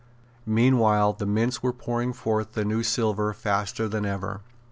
Meanwhile the mints were pouring forth the new silver faster than ever.